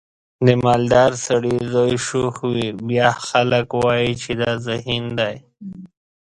د مالدار سړي زوی شوخ وي بیا خلک وایي چې دا ذهین دی.